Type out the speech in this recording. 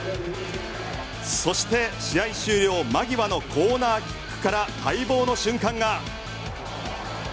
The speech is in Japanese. そして試合終了間際のコーナーキックから待望の瞬間が。